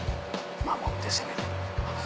守って攻めて。